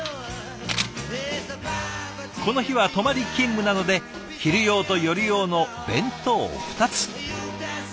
この日は泊まり勤務なので昼用と夜用の弁当２つ。